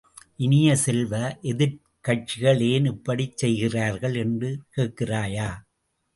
இனிய செல்வ, எதிர்க்கட்சிகள் ஏன் இப்படிச் செய்கிறார்கள் என்று கேட்கிறாயா?